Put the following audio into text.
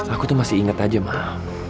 aku tuh masih inget aja mah